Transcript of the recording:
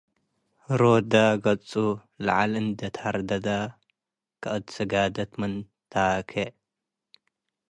ህሮደ ገጹ ለዐል እንዴ ትደርገገ ከእት ስጋደት ምን ተ’ኬ